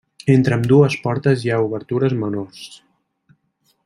Entre ambdues portes hi ha obertures menors.